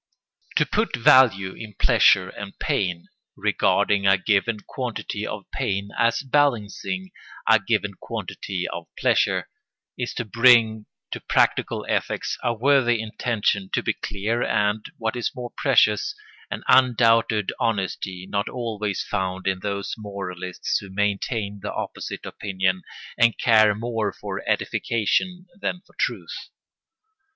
] To put value in pleasure and pain, regarding a given quantity of pain as balancing a given quantity of pleasure, is to bring to practical ethics a worthy intention to be clear and, what is more precious, an undoubted honesty not always found in those moralists who maintain the opposite opinion and care more for edification than for truth.